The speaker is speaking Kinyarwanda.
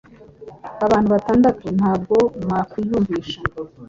Abantu batandatu Ntabwo mwakwiyumvisha